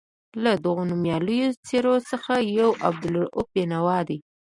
له دغو نومیالیو څېرو څخه یو عبدالرؤف بېنوا دی.